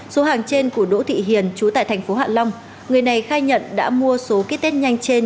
số hàng trên của đỗ thị hiền chú tại thành phố hạ long người này khai nhận đã mua số ký test nhanh trên